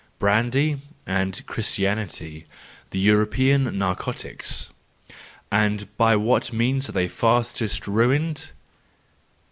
Brandy and Christianity, the European narcotics.— And by what means are they fastest ruined